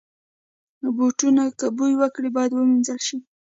بوټونه که بوی وکړي، باید وینځل شي.